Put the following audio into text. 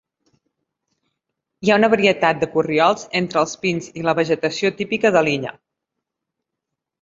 Hi ha una varietat de corriols entre els pins i la vegetació típica de l'illa.